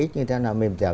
người ta làm mềm dẻo